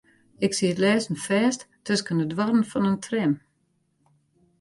Ik siet lêsten fêst tusken de doarren fan in tram.